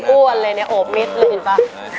ไม่เห็นอ้วนเลยเนี่ยโอบมิตรเลยเห็นป่ะ